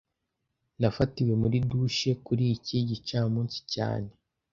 Nafatiwe muri douche kuri iki gicamunsi cyane